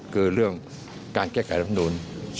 คือเรื่องการแก้ไขรับทุน๒๗๒